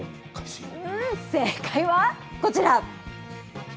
正解はこちら。